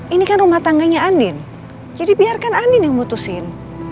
ini kan rumah tangganya andin jadi biarkan andin yang mutusin